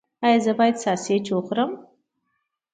ایا زه باید ساسج وخورم؟